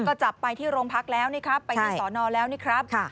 ก็จับไปที่โรงพักแล้วนี่ครับไปที่สอนอแล้วนี่ครับ